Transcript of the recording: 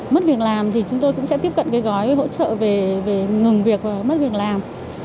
mất việc làm thì chúng tôi cũng sẽ tiếp cận cái gói hỗ trợ về ngừng việc mất việc làm